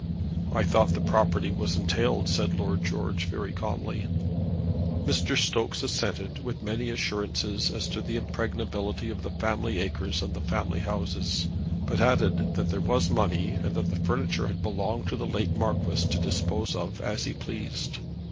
"I thought the property was entailed," said Lord George very calmly. Mr. Stokes assented, with many assurances as to the impregnability of the family acres and the family houses; but added that there was money, and that the furniture had belonged to the late Marquis to dispose of as he pleased.